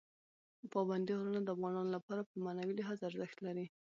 پابندي غرونه د افغانانو لپاره په معنوي لحاظ ارزښت لري.